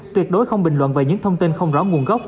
tuyệt đối không bình luận về những thông tin không rõ nguồn gốc